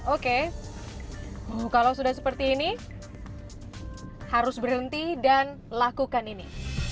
oke kalau sudah seperti ini harus berhenti dan lakukan ini